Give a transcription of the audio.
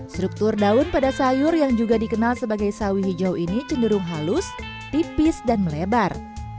struktur daun pada sayur yang juga dikenal sebagai sawi hijau ini cenderung halus tipis dan melebar